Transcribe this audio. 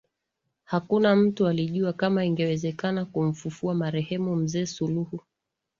Hakuna mtu alijua kama ingewezekana kumfufua marehemu Mzee Suluhu